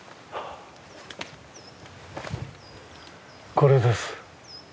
これです。